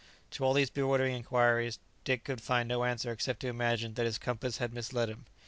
To all these bewildering inquiries Dick could find no answer except to imagine that his compass had misled him.